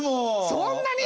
そんなに！？